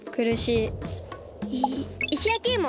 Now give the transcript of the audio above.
いいしやきいも！